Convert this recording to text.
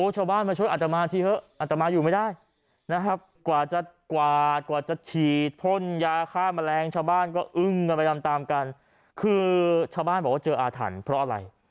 ชาวบ้านบอกว่าเจออาถรรพ์เพราะอะไร